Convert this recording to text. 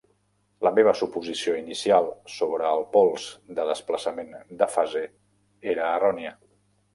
La meva suposició inicial sobre el pols de desplaçament de fase era errònia.